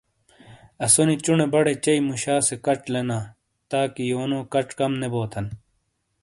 اسونی چُونے بڑے، چیئی موشا سے کچ لینا تاکہ یونو کَچ کم نے بوتھن ۔